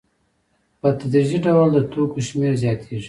په تدریجي ډول د توکو شمېر زیاتېږي